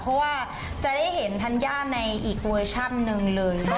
เพราะว่าจะได้เห็นธัญญาในอีกเวอร์ชันหนึ่งเลย